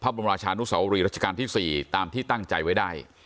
บราชานุสวรีรัชกาลที่๔ตามที่ตั้งใจไว้ได้